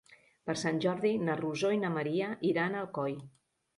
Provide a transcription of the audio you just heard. Per Sant Jordi na Rosó i na Maria iran a Alcoi.